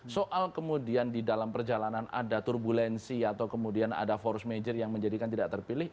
soal kemudian di dalam perjalanan ada turbulensi atau kemudian ada force major yang menjadikan tidak terpilih